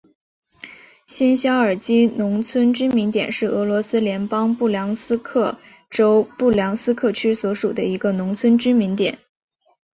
新肖尔基农村居民点是俄罗斯联邦布良斯克州布良斯克区所属的一个农村居民点。